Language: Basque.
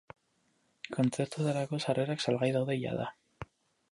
Kontzertuetarako sarrerak salgai daude jada.